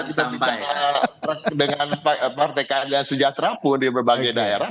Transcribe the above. karena memang kalau kita di tengah partai partai yang sejahtera pun di berbagai daerah